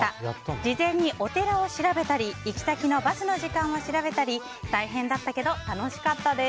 事前にお寺を調べたり行き先のバスの時間を調べたり大変だったけど楽しかったです。